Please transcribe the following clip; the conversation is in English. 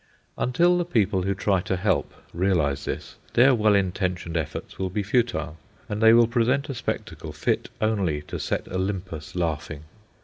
Until the people who try to help realise this, their well intentioned efforts will be futile, and they will present a spectacle fit only to set Olympus laughing.